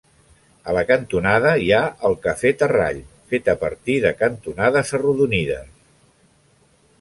A la cantonada hi ha el cafè Terrall, fet a partir de cantonades arrodonides.